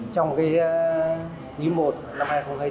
trong quý i năm hai nghìn hai mươi bốn